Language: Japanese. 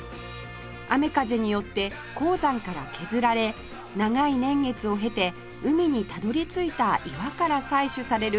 雨風によって鉱山から削られ長い年月を経て海にたどり着いた岩から採取される